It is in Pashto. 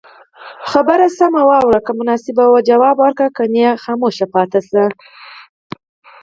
خبره خه واوره که مناسبه وه جواب ورکړه که نه چوپ پاتي شته